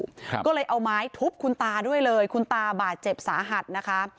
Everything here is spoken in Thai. ครับก็เลยเอาไม้ทุบคุณตาด้วยเลยคุณตาบาดเจ็บสาหัสนะคะ